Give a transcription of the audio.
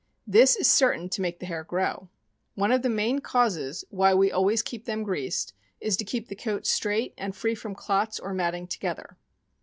This is certain to make the hair grow. One of the main causes why we always keep them greased is to keep the coat straight, and free from clots or matting together.